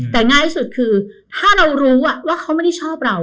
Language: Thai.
แต่ง่ายที่สุดคือถ้าเรารู้ว่าเขาไม่ได้ชอบเรา